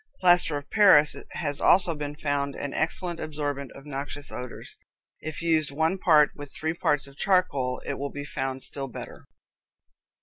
Plaster of Paris has also been found an excellent absorbent of noxious odors. If used one part with three parts of charcoal, it will be found still better.